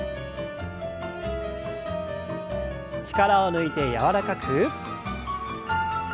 力を抜いて柔らかく。